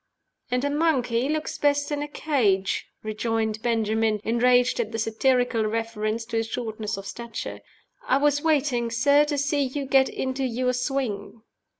"And a monkey looks best in a cage," rejoined Benjamin, enraged at the satirical reference to his shortness of stature. "I was waiting, sir, to see you get into your swing."